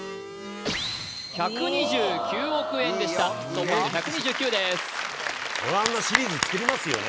１２９億円でした総ポイント１２９です